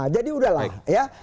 jadi udahlah ya